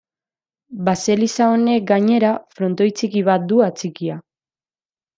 Baseliza honek gainera, frontoi txiki bat du atxikia.